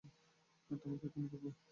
তোমাকে খুন করবো।